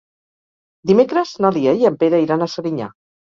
Dimecres na Lia i en Pere iran a Serinyà.